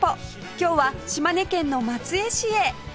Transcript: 今日は島根県の松江市へ